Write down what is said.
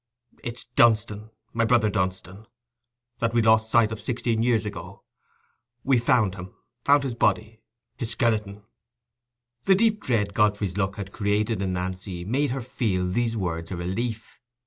"It's Dunstan—my brother Dunstan, that we lost sight of sixteen years ago. We've found him—found his body—his skeleton." The deep dread Godfrey's look had created in Nancy made her feel these words a relief.